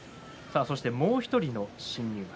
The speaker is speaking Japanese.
もう１人の新入幕。